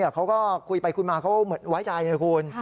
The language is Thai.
เขาก็คุยไปคุยมาเขาเหมือนไว้ใจไงคุณ